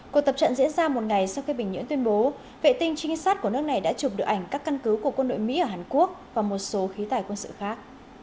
cuộc tập trận diễn ra một ngày sau khi bình nhưỡng tuyên bố vệ tinh trinh sát của nước này đã chụp được ảnh các căn cứ của quân đội mỹ ở hàn quốc và một số khí tài quân sự khác